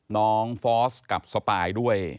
น้องฟอสกับสปายด้วย